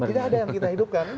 tidak ada yang kita hidupkan